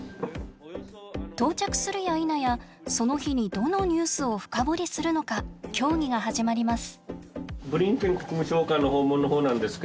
到着するやいなやその日にどのニュースを深掘りするのか協議が始まります。